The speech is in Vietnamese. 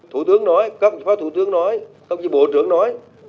thủ tướng nói các phó thủ tướng nói các bộ trưởng nói